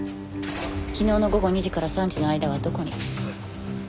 昨日の午後２時から３時の間はどこに？